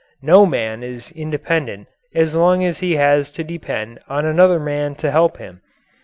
No man is independent as long as he has to depend on another man to help him.